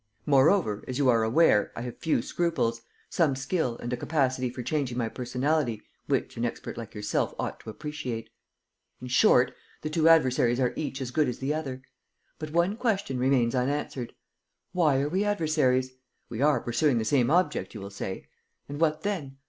Moreover, as you are aware, I have few scruples, some skill and a capacity for changing my personality which an expert like yourself ought to appreciate. In short, the two adversaries are each as good as the other. But one question remains unanswered: why are we adversaries? We are pursuing the same object, you will say? And what then?